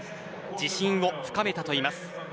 自信を深めたといいます。